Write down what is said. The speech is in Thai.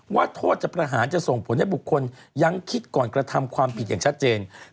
โทษจะประหารจะส่งผลให้บุคคลยังคิดก่อนกระทำความผิดอย่างชัดเจน